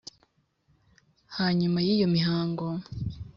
Hanyuma yiyo mihango